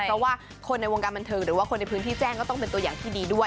เพราะว่าคนในวงการบันเทิงหรือว่าคนในพื้นที่แจ้งก็ต้องเป็นตัวอย่างที่ดีด้วย